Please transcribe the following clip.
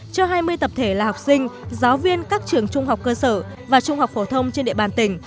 cho hai mươi tập thể là học sinh giáo viên các trường trung học cơ sở và trung học phổ thông trên địa bàn tỉnh